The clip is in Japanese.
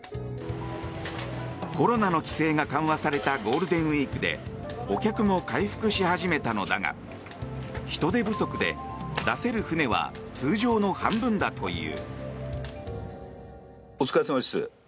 コロナの規制が緩和されたゴールデンウィークでお客も回復し始めたのだが人手不足で、出せる船は通常の半分だという。